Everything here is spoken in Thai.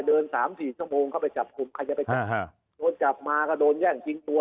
สามสี่ชั่วโมงเข้าไปจับกลุ่มใครจะไปจับโดนจับมาก็โดนแย่งชิงตัว